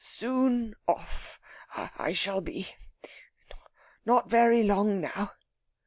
Soon off I shall be! Not very long now.